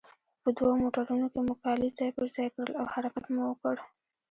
په دوو موټرونو کې مو کالي ځای پر ځای کړل او حرکت مو وکړ.